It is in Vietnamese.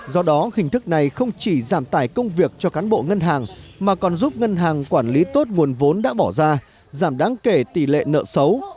do đó hình thức này không chỉ giảm tải công việc cho cán bộ ngân hàng mà còn giúp ngân hàng quản lý tốt nguồn vốn đã bỏ ra giảm đáng kể tỷ lệ nợ xấu